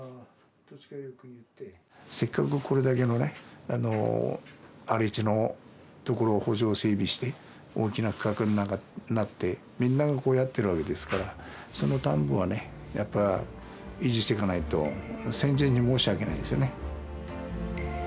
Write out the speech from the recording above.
せっかくこれだけのね荒れ地のところを圃場整備して大きな区画になってみんながこうやってるわけですからその田んぼはねやっぱ維持してかないと先人に申し訳ないですよね。